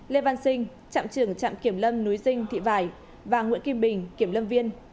lê văn sinh trạm trưởng trạm kiểm lâm núi dinh thị vải và nguyễn kim bình kiểm lâm viên